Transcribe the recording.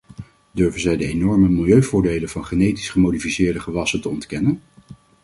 Durven zij de enorme milieuvoordelen van genetisch gemodificeerde gewassen te ontkennen?